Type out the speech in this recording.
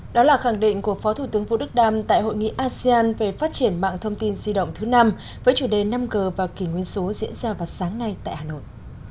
đó là khẳng định của phó thủ tướng vũ đức đam tại hội nghị asean về phát triển mạng thông tin di động thứ năm với chủ đề năm g và kỷ nguyên số diễn ra vào sáng nay tại hà nội